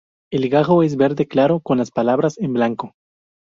El gajo es verde claro con las palabras en blanco.